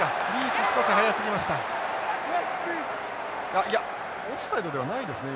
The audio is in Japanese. あっいやオフサイドではないですね